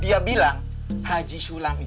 dia bilang haji sulam ini